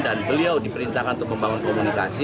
dan beliau diperintahkan untuk membangun komunikasi